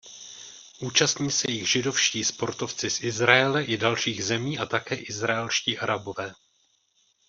Účastní se jich židovští sportovci z Izraele i dalších zemí a také izraelští Arabové.